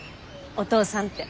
お父さんって。